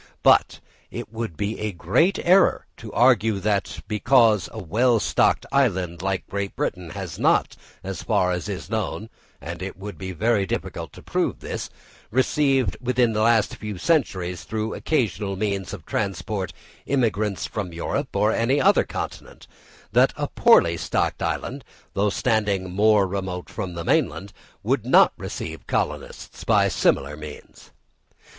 But it would be a great error to argue that because a well stocked island, like Great Britain, has not, as far as is known (and it would be very difficult to prove this), received within the last few centuries, through occasional means of transport, immigrants from Europe or any other continent, that a poorly stocked island, though standing more remote from the mainland, would not receive colonists by similar means.